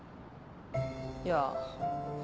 いや。